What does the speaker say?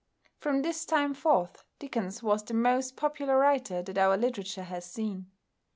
From this time forth Dickens was the most popular writer that our literature has seen.